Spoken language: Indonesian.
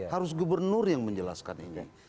harus gubernur yang menjelaskan ini